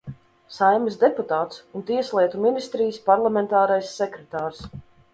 Saeimas deputāts un Tieslietu ministrijas parlamentārais sekretārs.